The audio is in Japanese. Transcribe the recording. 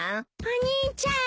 お兄ちゃん！